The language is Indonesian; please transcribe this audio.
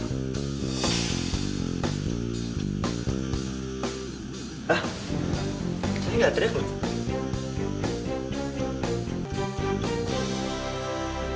saya gak teriak